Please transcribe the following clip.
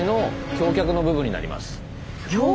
橋脚。